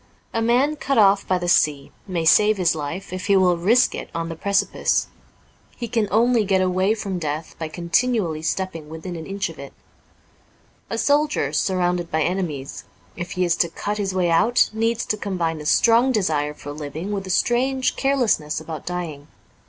A man cut off by the sea may save his life if he will risk it on the precipice. He can only get away from death by continually stepping within an inch of it, A soldier, surrounded by enemies, if he is to cut his way out, needs to combine a strong desire for living with a strange carelessness about dying.